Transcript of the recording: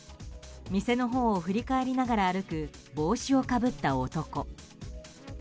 店のほうを振り返りながら歩く帽子をかぶった男。